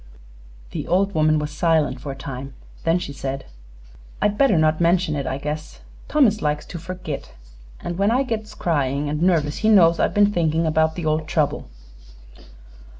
The old woman was silent for a time. Then she said: "I'd better not mention it, I guess. Thomas likes to forgit, an' when I gets cryin' an' nervous he knows I've been thinkin' 'bout the old trouble."